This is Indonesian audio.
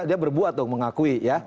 dia berbuat dong mengakui ya